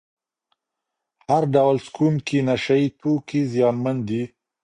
هر ډول څکونکي نشه یې توکي زیانمن دي.